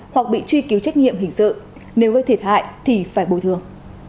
hoặc bị truy cứu trách nhiệm hình sự nếu gây thiệt hại thì phải bồi thường